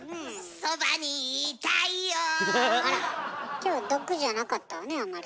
今日毒じゃなかったわねあんまり。